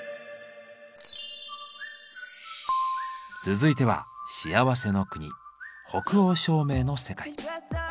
続いては幸せの国北欧照明の世界。